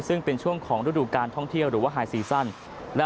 ซึ่งเป็นช่วงของฤดูการท่องเที่ยวหรือว่าไฮซีซั่น